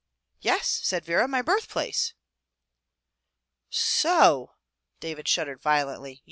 "Yes," said Vera, "my birthplace!" "So," David shuddered violently.